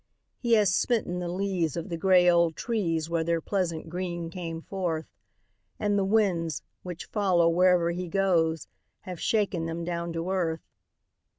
He has smitten the leaves of the gray old trees where their pleasant green came forth, And the winds, which follow wherever he goes, have shaken them down to earth.